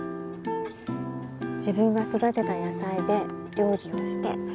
自分が育てた野菜で料理をして